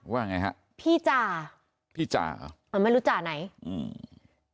ว่าไงฮะพี่จ่าพี่จ่าเหรอเออไม่รู้จ่าไหนอืม